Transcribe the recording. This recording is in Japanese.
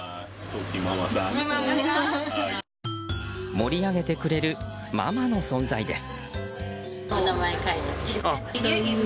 盛り上げてくれるママの存在です。